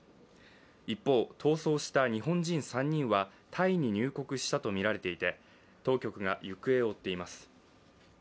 一方、逃走した日本人３人はタイに入国したとみられていて当局が行方を追っています。